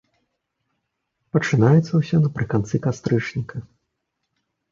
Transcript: Пачынаецца ўсё напрыканцы кастрычніка.